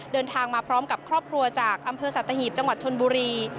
เดินทางมาพร้อมกับครอบครัวจากอำเภอสัตหีบจังหวัดชนบุรี